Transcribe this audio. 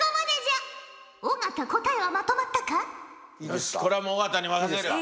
よしこれはもう尾形に任せるよ。